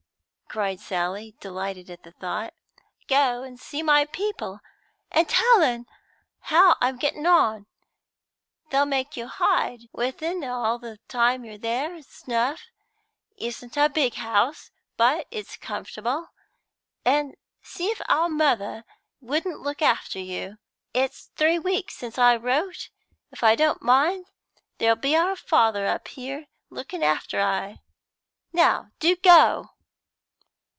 cried Sally, delighted at the thought. "Go and see my people, and tell un how I'm getting on. They'll make you bide with un all the time you're there, s'nough. It isn't a big house, but it's comfortable, and see if our mother wouldn't look after you! It's three weeks since I wrote; if I don't mind there'll be our father up here looking after I. Now, do go!"